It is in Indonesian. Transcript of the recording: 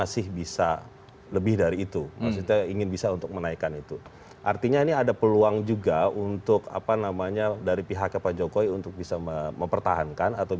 sebelumnya prabowo subianto